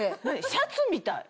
シャツみたい。